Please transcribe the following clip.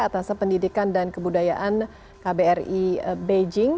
atasan pendidikan dan kebudayaan kbri beijing